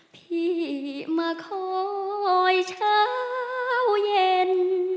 พี่มาคอยเช้าเย็น